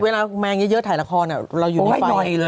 แมงเยอะถ่ายละครเราอยู่ในไฟเลย